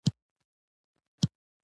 د ملي ايرونو پاموړ زياتېدنې.